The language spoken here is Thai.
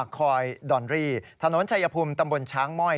คอยดอนรี่ถนนชายภูมิตำบลช้างม่อย